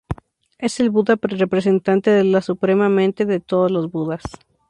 Es el Buda representante de la suprema mente de todos los Budas.